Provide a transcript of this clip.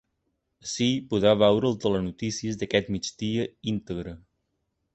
Ací podeu veure el ‘Telenotícies’ d’aquest migdia íntegre.